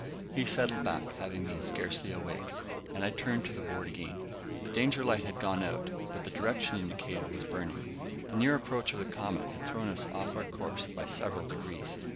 He settled back, having been scarcely awake, and I turned to the board again. The danger light had gone out, but the direction indicator was burning. The near approach of the comet had thrown us off our course by several degrees.